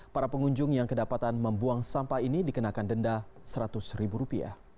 para pengunjung yang kedapatan membuang sampah ini dikenakan denda rp seratus